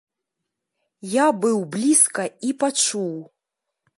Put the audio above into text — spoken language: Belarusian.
Я быў блізка і пачуў.